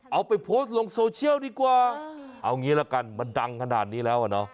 เอาไปโพสต์ลงโซเชียลดีกว่าเอางี้ละกันมันดังขนาดนี้แล้วอ่ะเนอะ